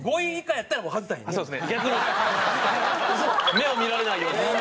目を見られないように。